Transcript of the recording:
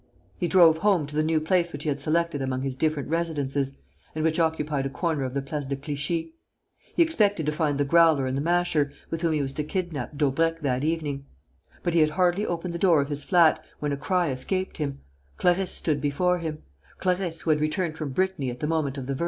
He drove home to the new place which he had selected among his different residences and which occupied a corner of the Place de Clichy. He expected to find the Growler and the Masher, with whom he was to kidnap Daubrecq that evening. But he had hardly opened the door of his flat, when a cry escaped him: Clarisse stood before him; Clarisse, who had returned from Brittany at the moment of the verdict.